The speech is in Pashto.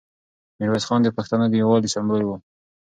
میرویس خان د پښتنو د یووالي سمبول و.